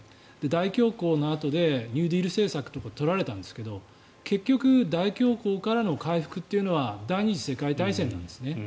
大恐慌のあとでニューディール政策とか取られたんですが結局大恐慌からの回復というのは第２次世界大戦なんですね。